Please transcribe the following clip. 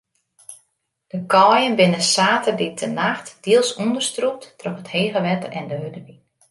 De kaaien binne saterdeitenacht diels ûnderstrûpt troch it hege wetter en de hurde wyn.